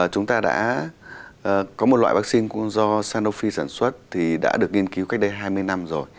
chúng ta đã có một loại vaccine do sanofi sản xuất thì đã được nghiên cứu cách đây hai mươi năm rồi